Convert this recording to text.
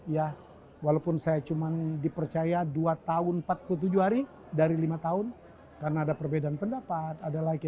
ya walaupun saya cuman dipercaya dua tahun empat puluh tujuh hari dari lima tahun karena ada perbedaan pendapat ada lagi